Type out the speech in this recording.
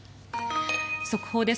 速報です。